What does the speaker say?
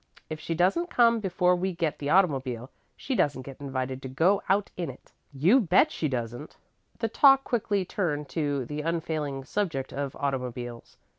If she doesn't come before we get the automobile, she doesn't get invited to go out in it." "You bet she doesn't." The talk quickly turned to the unfailing subject of automobiles.